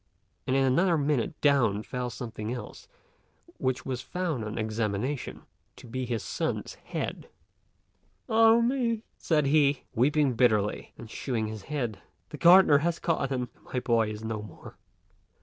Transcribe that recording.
and in another minute down fell something else, which was found on examination to be his son's head. "Ah me!" said he, weeping bitterly and shewing the head; "the gardener has caught him, and my boy is no more."